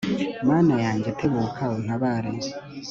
mana yanjye, tebuka untabare